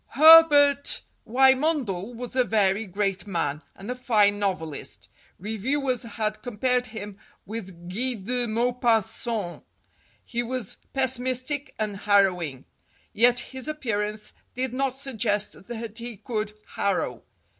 Herbert Wymondel was a very great man and a fine novelist. Reviewers had compared him with Guy de Maupassant. He was pessimistic and harrowing. Yet his appearance did not suggest that he could harrow.